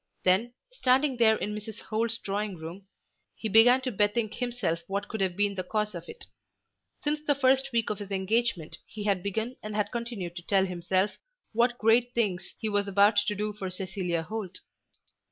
Then, standing there in Mrs. Holt's drawing room, he began to bethink himself what could have been the cause of it. Since the first week of his engagement he had begun and had continued to tell himself what great things he was about to do for Cecilia Holt.